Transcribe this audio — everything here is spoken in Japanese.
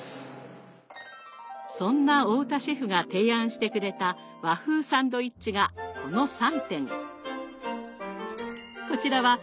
そんな太田シェフが提案してくれた和風サンドイッチがこの３点。